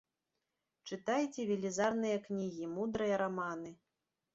Чытайце велізарныя кнігі, мудрыя раманы.